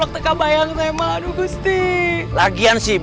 aku akan menganggap